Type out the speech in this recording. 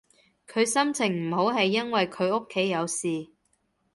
佢心情唔好係因為佢屋企有事